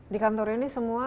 di kantor ini semua